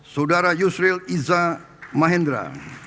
saudara yusril iza mahendra